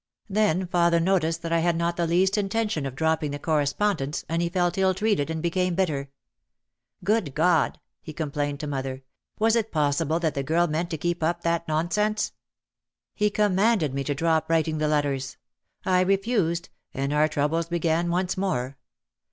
Then father noticed that I had not the least intention of dropping the correspond ence and he felt ill treated and became bitter. "Good God," he complained to mother, "was it possible that the girl meant to keep up that nonsense?" He commanded me to drop writing the letters. I refused, and our troub les began once more.